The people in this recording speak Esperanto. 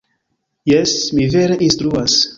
Jes, mi vere instruas.